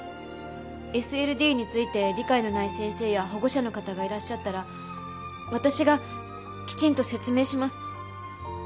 ＳＬＤについて理解のない先生や保護者の方がいらっしゃったら私がきちんと説明します。